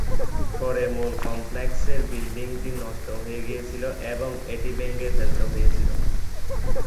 পরে মূল কমপ্লেক্সের বিল্ডিংটি নষ্ট হয়ে গিয়েছিল এবং এটি ভেঙে ফেলতে হয়েছিল।